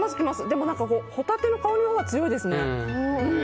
でもホタテの香りのほうが強いですね。